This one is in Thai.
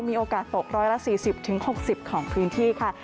มีโอกาสตก๑๔๐๖๐ของพื้นที่ค่ะ